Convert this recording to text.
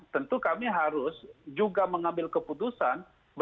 tentu kami harus juga mengambil keputusan